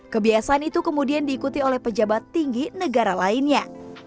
kebiasaan itu kemudian diikuti oleh pejabat tinggi negara lainnya